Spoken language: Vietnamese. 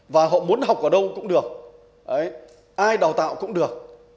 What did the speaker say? và họ muốn học ở đâu cũng được ai đào tạo cũng được